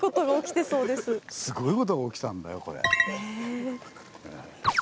すごい事が起きたんだよこれ。